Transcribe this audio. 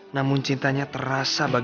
namun cintanya terasa bagiku